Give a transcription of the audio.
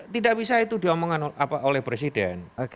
tidak bisa itu diomongkan oleh presiden